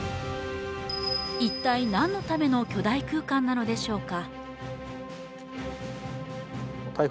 一体、何のための巨大空間なのでしょうか？